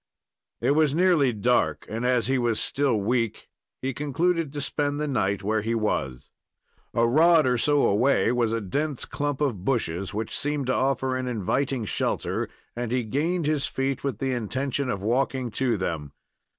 It was nearly dark, and, as he was still weak, he concluded to spend the night where he was. A rod or so away was a dense clump of bushes, which seemed to offer an inviting shelter, and he gained his feet with the intention of walking to them.